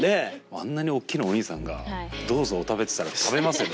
あんなにおっきなおにいさんがどうぞお食べって言ったら食べますよね